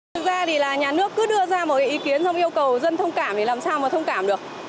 thực ra thì là nhà nước cứ đưa ra một cái ý kiến xong yêu cầu dân thông cảm để làm sao mà thông cảm được